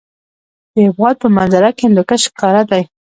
د هېواد په منظره کې هندوکش ښکاره دی.